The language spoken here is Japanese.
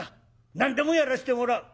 何でもやらしてもらう」。